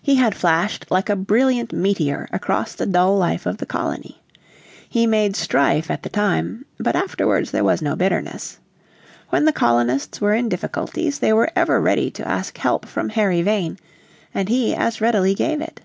He had flashed like a brilliant meteor across the dull life of the colony. He made strife at the time, but afterwards there was no bitterness. When the colonists were in difficulties they were ever ready to ask help from Harry Vane, and he as readily gave it.